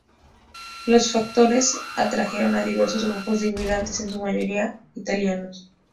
Los factores atrajeron a diversos grupos de inmigrantes, en su mayoría italianos.